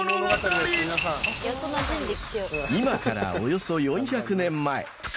［今からおよそ４００年前］